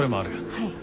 はい。